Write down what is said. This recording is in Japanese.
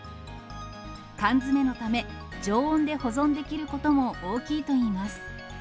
缶詰のため、常温で保存できることも大きいといいます。